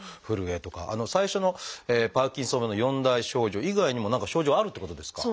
最初のパーキンソン病の４大症状以外にも何か症状あるってことですか？